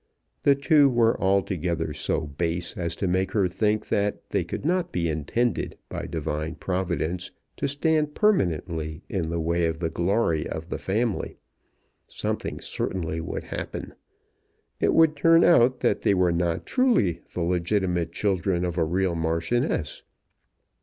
The two were altogether so base as to make her think that they could not be intended by Divine Providence to stand permanently in the way of the glory of the family. Something certainly would happen. It would turn out that they were not truly the legitimate children of a real Marchioness.